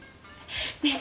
ねえ？